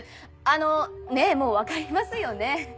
あのねぇもう分かりますよね？